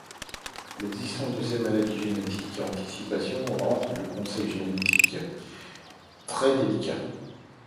L'existence de ces maladies génétiques à anticipation rend le conseil génétique très délicat.